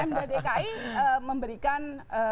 ini pmbdki memberikan